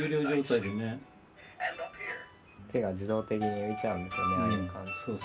手が自動的に浮いちゃうんですよね。